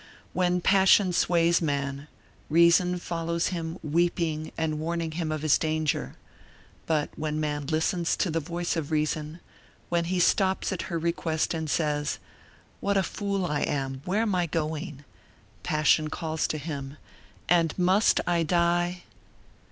When passion sways man, reason follows him weeping and warning him of his danger; but when man listens to the voice of reason, when he stops at her request and says: "What a fool I am; where am I going?" passion calls to him: "And must I die?"